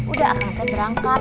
udah akang teh berangkat